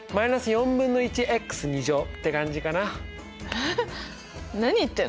えっ何言ってんの？